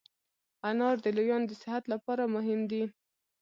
انار د لویانو د صحت لپاره مهم دی.